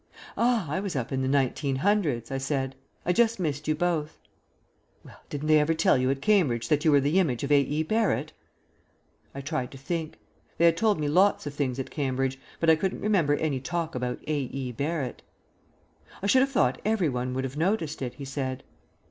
"Ah, I was up in the nineteen hundreds," I said. "I just missed you both." "Well, didn't they ever tell you at Cambridge that you were the image of A. E. Barrett?" I tried to think. They had told me lots of things at Cambridge, but I couldn't remember any talk about A. E. Barrett. "I should have thought every one would have noticed it," he said.